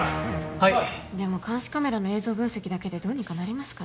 はいっでも監視カメラの映像分析だけでどうにかなりますかね？